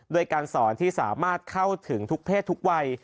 โดยการสอนที่สามารถเข้าถึงทุกเพศทุกวัย